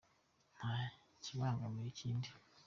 nta kibangamira ikindi.